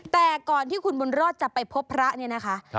แต่ก่อนที่คุณบุญรอดจะไปพบพระเนี่ยนะคะ